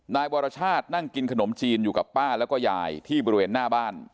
นายวรชาตินั่งกินขนมจีนอยู่กับป้าแล้วก็ยายที่บริเวณหน้าบ้าน